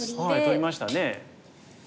取りましたね。